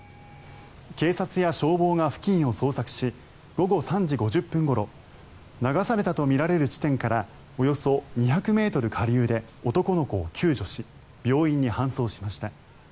警察や消防が付近を捜索し午後３時５０分ごろ流されたとみられる地点からおよそ２００ｍ下流で男の子を救助し病院に搬送しました。